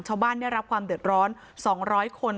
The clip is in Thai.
ชาวบ้านได้รับความเดือดร้อน๒๐๐คน